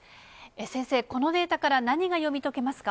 先生、このデータから、何が読み解けますか？